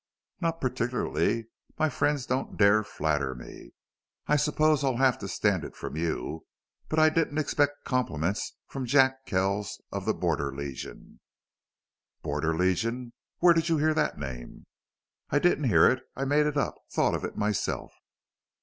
"Not particularly. My friends don't dare flatter me. I suppose I'll have to stand it from you. But I didn't expect compliments from Jack Kells of the Border Legion." "Border Legion? Where'd you hear that name?" "I didn't hear it. I made it up thought of it myself."